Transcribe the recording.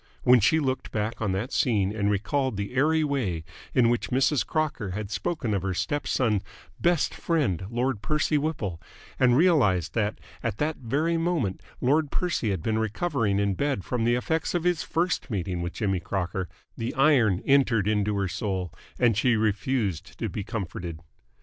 When she looked back on that scene and recalled the airy way in which Mrs. Crocker had spoken of her step son's "best friend, Lord Percy Whipple" and realised that at that very moment Lord Percy had been recovering in bed from the effects of his first meeting with Jimmy Crocker, the iron entered into her soul and she refused to be comforted.